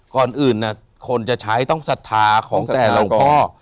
ก่อนอื่นคนจะใช้ต้องศรัทธาของแต่หลวงพ่อ